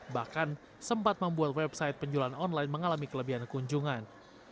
bahkan sempat membuat website penjualan online mengalami kelebihan kunjungan